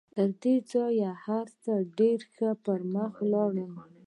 تر دې ځایه هر څه ډېر ښه پر مخ ولاړل